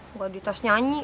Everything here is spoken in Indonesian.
nggak dites nyanyi